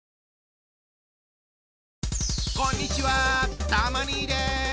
こんにちはたま兄です。